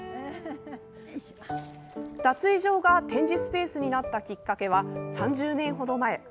脱衣場が展示スペースになったきっかけは３０年程前。